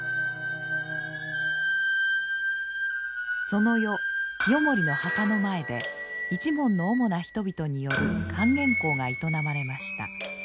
その夜清盛の墓の前で一門の主な人々による管弦講が営まれました。